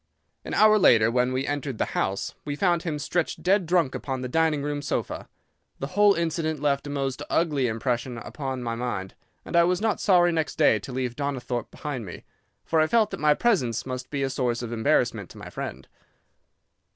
An hour later, when we entered the house, we found him stretched dead drunk upon the dining room sofa. The whole incident left a most ugly impression upon my mind, and I was not sorry next day to leave Donnithorpe behind me, for I felt that my presence must be a source of embarrassment to my friend.